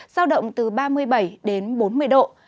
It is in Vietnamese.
giao động từ ba mươi bảy đến bốn mươi độ